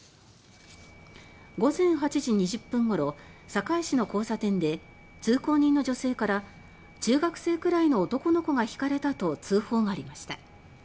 午前８時２０分ごろ堺市の交差点で通行人の女性から「中学生くらいの男の子がひかれた」と通報がありました。